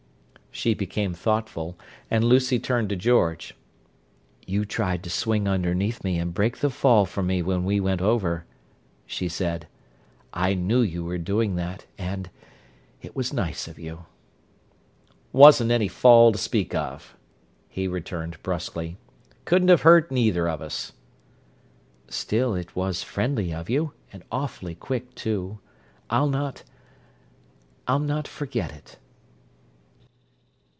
She became thoughtful, and Lucy turned to George. "You tried to swing underneath me and break the fall for me when we went over," she said. "I knew you were doing that, and—it was nice of you." "Wasn't any fall to speak of," he returned brusquely. "Couldn't have hurt either of us." "Still it was friendly of you—and awfully quick, too. I'll not—I'll not forget it!"